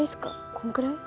こんくらい？